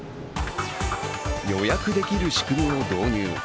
予約できる仕組みを導入。